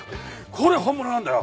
これ本物なんだよ！